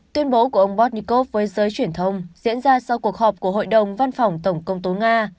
trước với giới truyền thông diễn ra sau cuộc họp của hội đồng văn phòng tổng công tố nga